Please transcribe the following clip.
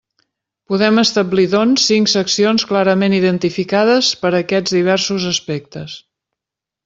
Podem establir, doncs, cinc seccions clarament identificades per aquests diversos aspectes.